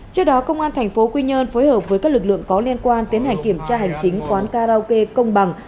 trước đó công an tp quy nhơn phối hợp với các lực lượng có liên quan tiến hành kiểm tra hành chính quán karaoke công bằng